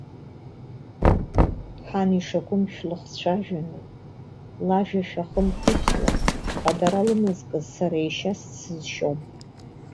Ҳан ишакәым шәлыхцәажәаны, лажәа шәахымхәыцуа, ҳхадара лымазкыз, сара ешьас дсызшьом.